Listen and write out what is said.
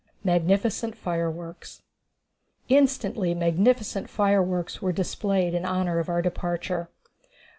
Magnificent Fireworks. Instantly magnificent fireworks were displayed in honor of our departure.